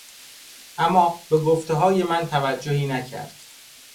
اما به گفتههای من توجهی نکرد.